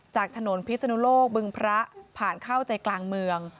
จากถนนพิศนุโลกบึงพระผ่านเข้าใจกลางเมือง